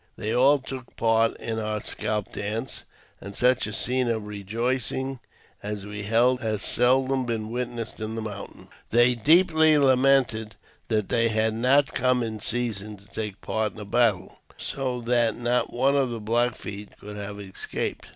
They all took part in our scalp dance, and such a scene of rejoicing as we held has seldom been witnessed in the mountains. They deeply lamented that they had not come in season to take part in the battle, so that not one of the Black Feet could have escaped.